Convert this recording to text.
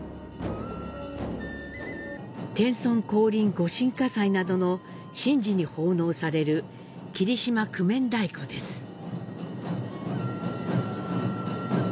天孫降臨御神火祭などの神事に奉納される霧島九面太鼓です。